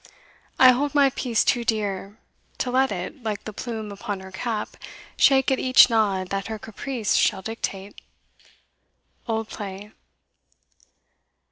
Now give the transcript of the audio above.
I hold my peace too dear, To let it, like the plume upon her cap, Shake at each nod that her caprice shall dictate. Old Play.